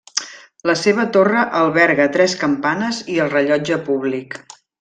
La seva torre alberga tres campanes i el rellotge públic.